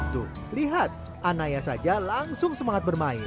tuh lihat anaya saja langsung semangat bermain